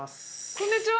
こんにちは。